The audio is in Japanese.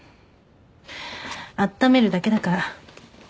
あっためるだけだから。